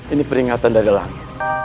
ini peringatan dari lama